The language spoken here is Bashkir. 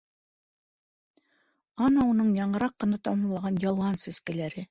Ана уның яңыраҡ ҡына тамамлаған «Ялан сәскәләре».